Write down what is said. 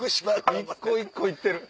一個一個言ってる。